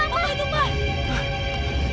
apa itu pak